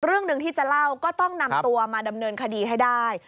เรื่องหนึ่งที่จะเล่าก็ต้องนำตัวมาดำเนินคดีให้ได้